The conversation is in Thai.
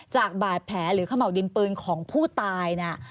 จากบาดแผลหรือขม่าวดินปืนของผู้ตายนะ